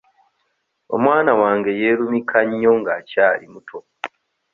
Omwana wange yeerumika nnyo nga akyali muto.